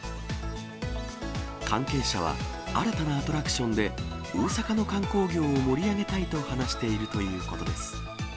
関係者は、新たなアトラクションで、大阪の観光業を盛り上げたいと話しているということです。